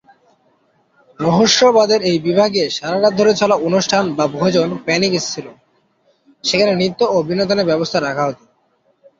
রহস্যবাদের এই বিভাগে সারারাত ধরে চলা অনুষ্ঠান বা ভোজন"প্যানিকিস" ছিল, যেখানে নৃত্য ও বিনোদনের ব্যবস্থা রাখা হত।